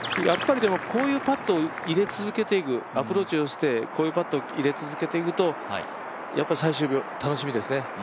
やっぱりこういうパットを入れ続ける、アプローチをして、こういうパットを入れ続けていくと最終日、楽しみですね。